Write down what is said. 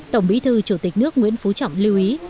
tổng bí thư chủ tịch nước nguyễn phú trọng lưu ý